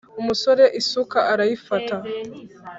Umusore isuka arayifata.